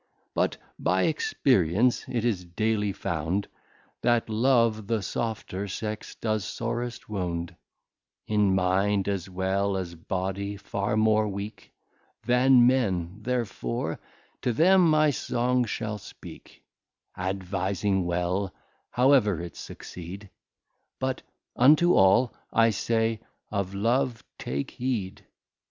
But by experience it is daily found, That Love the softer Sex does sorest wound; In Mind, as well as Body, far more weak Than Men: therefore to them my Song shall speak, Advising well, however it succeed: But unto All I say, Of Love take heed.